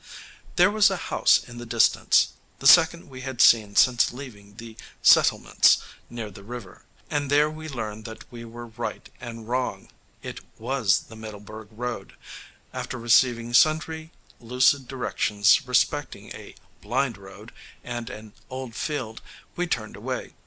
There was a house in the distance, the second we had seen since leaving the "settle_ments_" near the river. And there we learned that we were right and wrong: it was the Middleburg road. After receiving sundry lucid directions respecting a "blind road" and an "old field," we turned away.